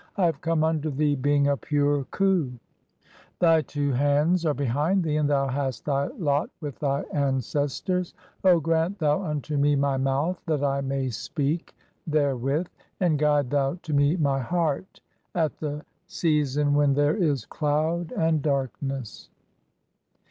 I have come unto thee being a pure (3) khu. Thv "two hands are behind thee, and thou hast thy lot with [thy] "ancestors. O grant thou unto me my mouth that I may speak "therewith ; and guide thou to me my heart at the season when "there is (4) cloud and darkness."